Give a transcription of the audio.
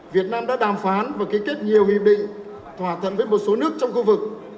việt nam đã đàm phán và ký kết nhiều hiệp định thỏa thuận với một số nước trong khu vực